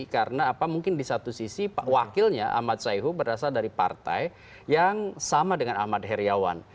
karena apa mungkin di satu sisi wakilnya ahmad sayuhu berasal dari partai yang sama dengan ahmad heriawan